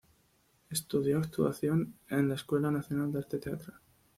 Estudió actuación en la Escuela Nacional de Arte Teatral.